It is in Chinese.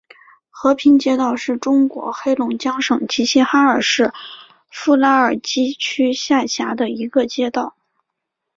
和平街道是中国黑龙江省齐齐哈尔市富拉尔基区下辖的一个街道。